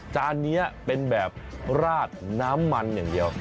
จานนี้เป็นแบบราดน้ำมันอย่างเดียว